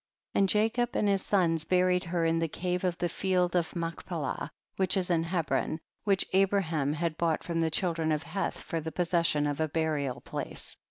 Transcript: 3. And Jacob and his sons buried her in the cave of the field of Mach pelah, which is in Hebron, which Abraham had bought from the child ren of Heth, for the possession of a burial place.